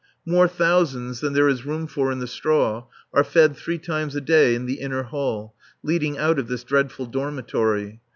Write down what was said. More thousands than there is room for in the straw are fed three times a day in the inner hall, leading out of this dreadful dormitory.